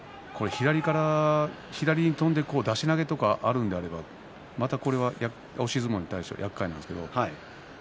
左に跳んで出し投げとかあるんだけれどもこれは、押し相撲に対してはやっかいなんですね。